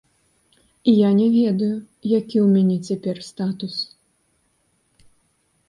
Я не ведаю, які ў мяне цяпер статус.